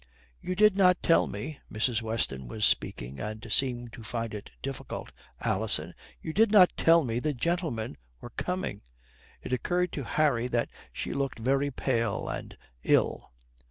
"You did not tell me" Mrs. Weston was speaking and seemed to find it difficult "Alison, you did not tell me the gentlemen were coming." It occurred to Harry that she looked very pale and ill.